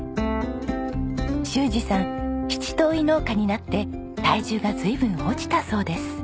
修二さん七島藺農家になって体重が随分落ちたそうです。